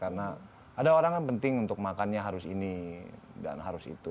karena ada orang yang penting untuk makannya harus ini dan harus itu